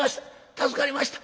助かりました。